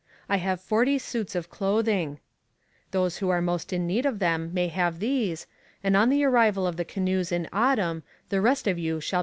I have forty suits of clothing. Those who are most in need of them may have these, and on the arrival of the canoes in autumn, the rest of you shall be clothed likewise.'